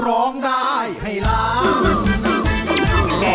ร้องได้ให้ล้าน